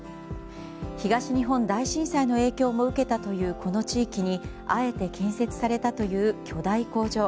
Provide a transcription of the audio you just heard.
東日本大震災の影響も受けたというこの地域にあえて建設されたという巨大工場。